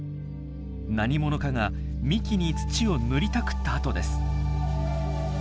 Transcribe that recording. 何者かが幹に土を塗りたくった跡です。